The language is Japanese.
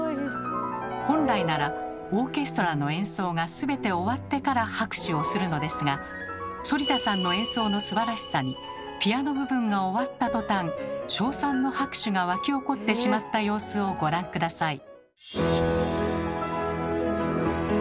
本来ならオーケストラの演奏が全て終わってから拍手をするのですが反田さんの演奏のすばらしさにピアノ部分が終わった途端称賛の拍手が沸き起こってしまった様子をご覧下さい。